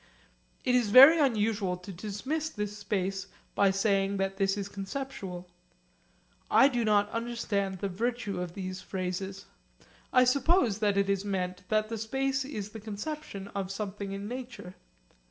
It is very usual to dismiss this space by saying that this is conceptual. I do not understand the virtue of these phrases. I suppose that it is meant that the space is the conception of something in nature.